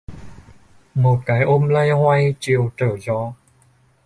Một cái ôm loay hoay chiều trở gió